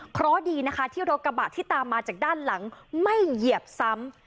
เพราะดีนะคะที่รถกระบะที่ตามมาจากด้านหลังไม่เหยียบซ้ำ